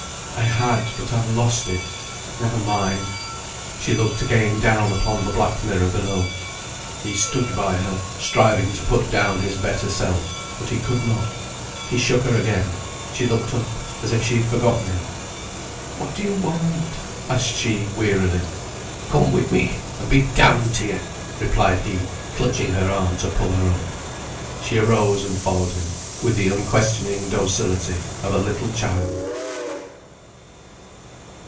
"I had, but I've lost it. Never mind." She looked again down upon the black mirror below. He stood by her, striving to put down his better self; but he could not. He shook her again. She looked up, as if she had forgotten him. "What do you want?" asked she, wearily. "Come with me, and be d d to you!" replied he, clutching her arm to pull her up. She arose and followed him, with the unquestioning docility of a little child.